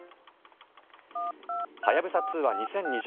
はやぶさ２は２０２０年